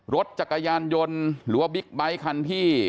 รถจักรยานยนต์หรือว่าบิ๊กไบท์คันที่